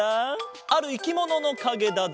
あるいきもののかげだぞ。